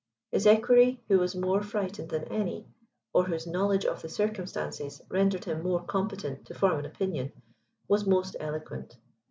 His Equerry, who was more frightened than any, or whose knowledge of the circumstances rendered him more competent to form an opinion, was most eloquent.